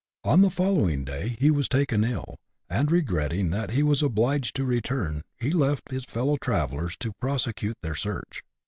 On the following day he was taken ill, and, regretting that he was obliged to return, he left his fellow travellers to prosecute their search.